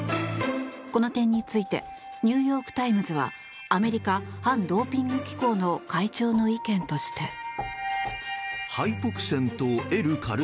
この点についてニューヨーク・タイムズはアメリカ反ドーピング機構の会長の意見として。